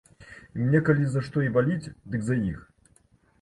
І мне калі за што і баліць, дык за іх.